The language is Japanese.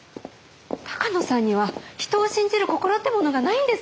鷹野さんには人を信じる心ってものがないんですか？